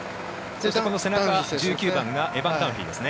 この背中、１９番がエバン・ダンフィーですね。